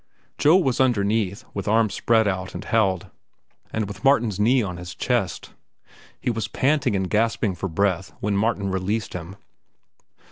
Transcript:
Joe was underneath, with arms spread out and held and with Martin's knee on his chest. He was panting and gasping for breath when Martin released him.